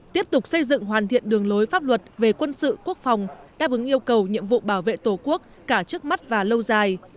tiếp tục xây dựng hoàn thiện đường lối pháp luật về quân sự quốc phòng đáp ứng yêu cầu nhiệm vụ bảo vệ tổ quốc cả trước mắt và lâu dài